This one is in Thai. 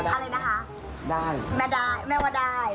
ไม่เจอแม่หูแต่ไม่ได้